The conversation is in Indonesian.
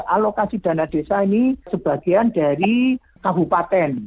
alokasi dana desa ini sebagian dari kabupaten